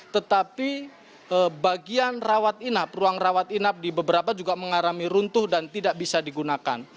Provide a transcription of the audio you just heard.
tetapi bagian rawat inap ruang rawat inap di beberapa juga mengalami runtuh dan tidak bisa digunakan